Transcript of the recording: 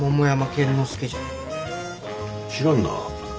知らんなあ。